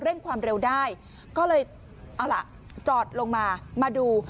เร่งความเร็วได้ก็เลยเอาล่ะจอดลงมามาดู